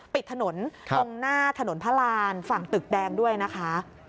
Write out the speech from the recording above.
ปิดถนนตรงหน้าถนนพระรานฝั่งตึกแดงด้วยนะคะ